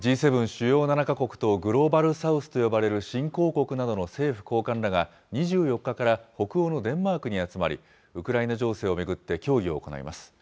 主要７か国とグローバル・サウスと呼ばれる新興国などの政府高官らが、２４日から北欧のデンマークに集まり、ウクライナ情勢を巡って協議を行います。